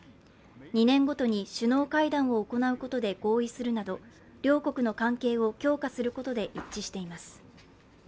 ２年ごとに首脳会談を行うことで合意するなど両国の関係を強化することで一致しています。